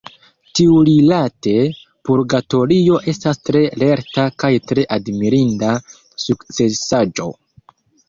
Tiurilate, Purgatorio estas tre lerta kaj tre admirinda sukcesaĵo.